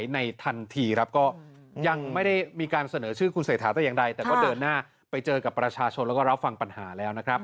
แนะนำการประชาชนแล้วก็รับฝั่งปัญหาแล้ว